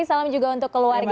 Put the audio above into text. salam juga untuk keluarga